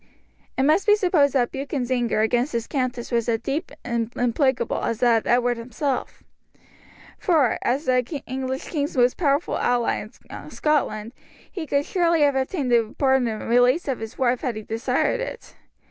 It must be supposed that Buchan's anger against his countess was as deep and implacable as that of Edward himself, for, as the English king's most powerful ally in Scotland, he could surely have obtained the pardon and release of his wife had he desired it.